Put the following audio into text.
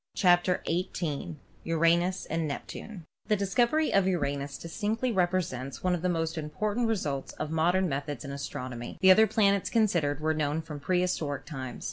CHAPTER XVIII URANUS AND NEPTUNE The discovery of Uranus distinctly represents one of the most important results of modern methods in astron omy. The other planets considered were known from pre historic times.